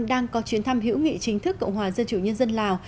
đang có chuyến thăm hữu nghị chính thức cộng hòa dân chủ nhân dân lào